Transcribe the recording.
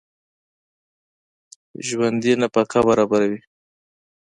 ژوندي نفقه برابروي